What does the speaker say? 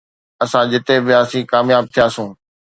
اسان جتي به وياسون ڪامياب ٿياسون